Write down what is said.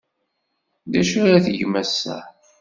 D acu ara tgem ass-a?